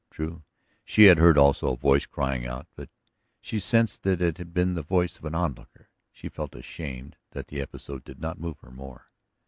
True, she had heard also a voice crying out, but she sensed that it had been the voice of an onlooker. She felt ashamed that the episode did not move her more.